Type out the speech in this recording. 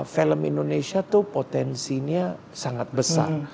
film indonesia tuh potensinya sangat besar